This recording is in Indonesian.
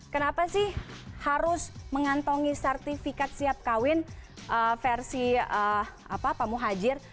kenapa sih harus mengantongi sertifikat siap kawin versi pak muhajir